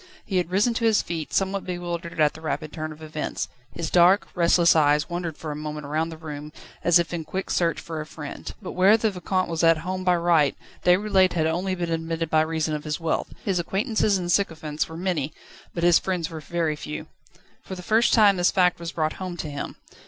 He had risen to his feet, somewhat bewildered at the rapid turn of events. His dark, restless eyes wandered for a moment round the room, as if in quick search for a friend. But where the Vicomte was at home by right, Déroulède had only been admitted by reason of his wealth. His acquaintances and sycophants were many, but his friends very few. For the first time this fact was brought home to him.